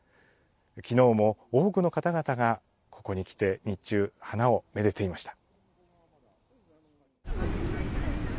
きのうも多くの方々がここに来て、日中、花をめでていました。